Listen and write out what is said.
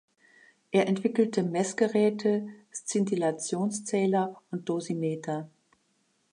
Er entwickelte Messgeräte, Szintillationszähler und Dosimeter.